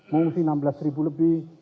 mengungsi enam belas lebih